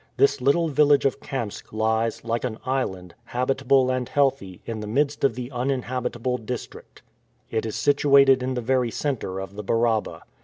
This little village of Kamsk lies, like an island, habitable and healthy, in the midst of the uninhabitable district. It is situated in the very center of the Baraba.